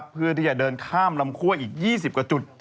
เพื่อที่จะเดินข้ามลำคั่วอีก๒๐กว่าจุด